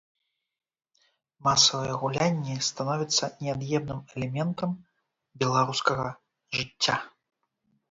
Масавыя гулянні становяцца неад'емным элементам беларускага жыцця.